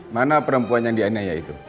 mana perempuan yang dianiaya itu